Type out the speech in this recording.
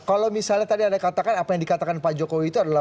kalau misalnya tadi anda katakan apa yang dikatakan pak jokowi itu adalah